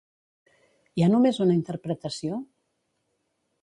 Hi ha només una interpretació?